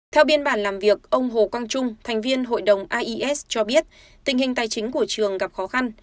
theo biên bản làm việc ông hồ quang trung thành viên hội đồng is cho biết tình hình tài chính của trường gặp khó khăn